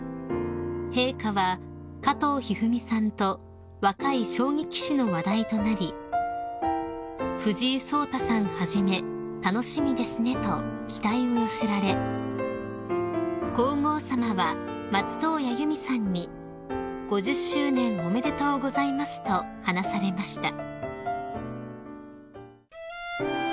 ［陛下は加藤一二三さんと若い将棋棋士の話題となり「藤井聡太さんはじめ楽しみですね」と期待を寄せられ皇后さまは松任谷由実さんに「５０周年おめでとうございます」と話されました］